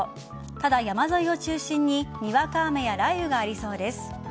ただ、山沿いを中心ににわか雨や雷雨がありそうです。